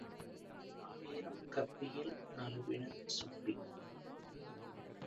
ஆயிரம் கப்பியில் நழுவின சுப்பி.